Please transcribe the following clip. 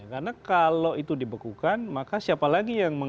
karena kalau itu dibekukan maka siapa lagi yang akan menang